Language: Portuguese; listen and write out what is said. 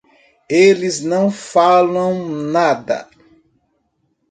Eles não falam nada.